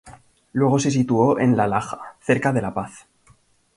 Luego se situó en La Laja, cerca de La Paz.